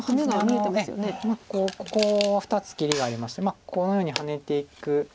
ここ２つ切りがありましてこのようにハネていくと。